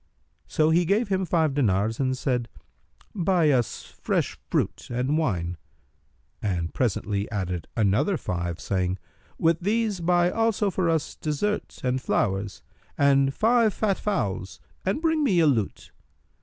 So he gave him five dinars and said, "Buy us fresh fruit and wine;" and presently added other five, saying, "With these buy also for us dessert[FN#310] and flowers and five fat fowls and bring me a lute."